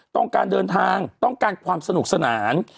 ต้องการเดินทางต้องการความสนุกสนาน